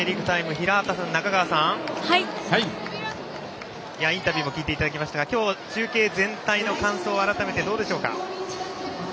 平畠さん、中川さんインタビューも聞いていただきましたが今日、中継全体の感想は改めて、どうでしょうか？